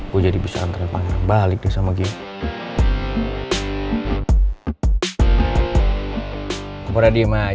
gue jadi bisa antre panggang balik deh sama gia